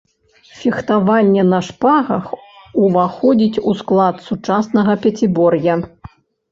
Фехтаванне на шпагах уваходзіць у склад сучаснага пяцібор'я.